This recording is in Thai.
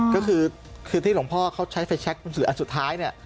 ก็คือคือที่หลวงพ่อเขาใช้ไฟแชคหนังสืออันสุดท้ายเนี่ย